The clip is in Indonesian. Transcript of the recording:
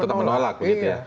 tetap menolak begitu ya